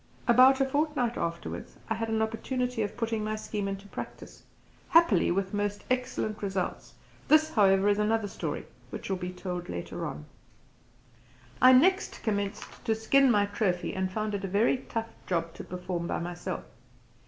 About a fortnight afterwards I had an opportunity of putting my scheme into practice, happily with most excellent results; this, however, is another story, which will be told later on. I next commenced to skin my trophy and found it a very tough job to perform by myself.